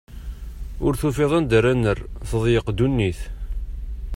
Ur tufiḍ anda ara nerr, teḍyeq ddunit.